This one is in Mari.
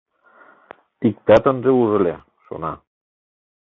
Иктат ынже уж ыле, шона.